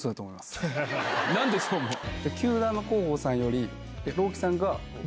何でそう思うの？